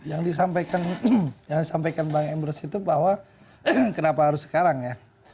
yang disampaikan bang emrus itu bahwa kenapa harus sekarang ya